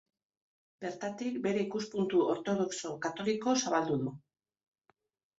Bertatik bere ikuspuntu ortodoxo katoliko zabaldu du.